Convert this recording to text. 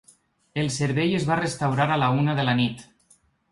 El servei es va restaurar a la una de la nit.